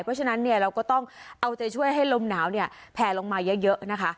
เพราะฉะนั้นเนี่ยเราก็ต้องเอาใจช่วยให้ลมหนาวเนี่ยแผลลงมาเยอะนะคะ